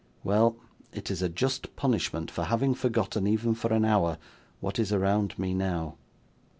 Well, it is a just punishment for having forgotten, even for an hour, what is around me now!